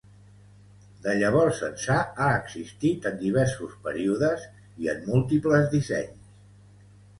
De llavors ençà ha existit en diversos períodes i en múltiples dissenys.